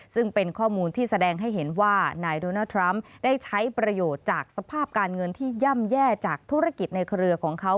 ซึ่งเป็นข้อมูลที่แสดงให้เห็นว่านายโดนัลดทรัมป์ได้ใช้ประโยชน์จากสภาพการเงินที่ย่ำแย่จากธุรกิจในเครือของเขา